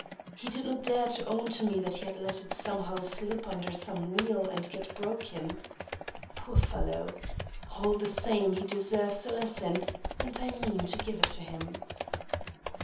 He did not dare to own to me that he had let it, somehow, slip under some wheel and get broken. Poor fellow ! All the same, he deserves a lesson, and I mean to give it to him."